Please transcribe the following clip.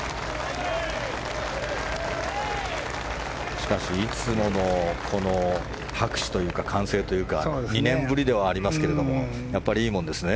しかし、いつもの拍手というか歓声というか２年ぶりではありますけれどもいいものですね。